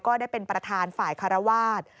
ได้เป็นประธานฝ่ายคารวาส